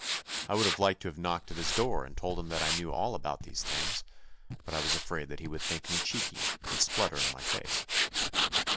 I would have liked to have knocked at his door and told him that I knew all about these things, but I was afraid that he would think me cheeky and splutter in my face.